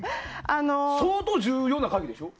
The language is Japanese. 相当重要な会議でしょ？